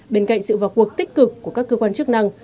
bên cạnh sự vào cuộc tích cực của các cơ quan chức năng